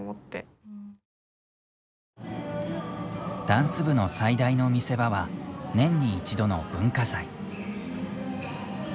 ダンス部の最大の見せ場は年に一度の文化祭。